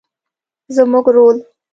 زموږ رول